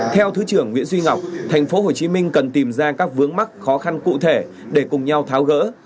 theo thứ trưởng nguyễn duy ngọc thành phố hồ chí minh cần tìm ra các vướng mắc khó khăn cụ thể để cùng nhau tháo gỡ